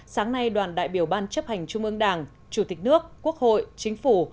sáng nay đoàn đại biểu ban chấp hành trung ương đảng chủ tịch nước quốc hội chính phủ